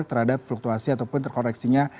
terhadap fluktuasi ataupun terkoreksinya